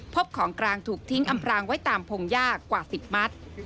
พบของกลางถูกทิ้งอำพรางไว้ตามพงยากกว่า๑๐มัตต์